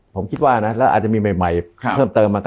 ผมคิดว่านะแล้วอาจจะมีใหม่เพิ่มเติม